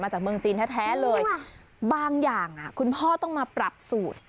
จากเมืองจีนแท้เลยบางอย่างคุณพ่อต้องมาปรับสูตร